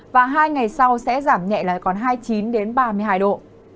và hai ngày sau sẽ giảm nhẹ lại còn hai mươi chín đến ba mươi hai độ